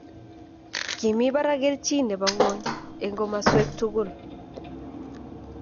Kimi barak kelchin nebo ngwony eng komoswek tugul